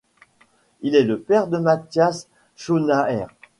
Il est le père de Matthias Schoenaerts.